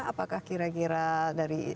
apakah kira kira dari